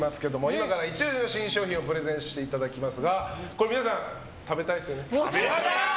今からイチ押しの新商品をプレゼンしていただきますが皆さん、食べたいですよね？